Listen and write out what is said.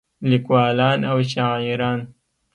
لیکولان او شاعران